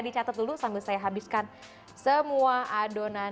dicatat dulu sambil saya habiskan semua adonan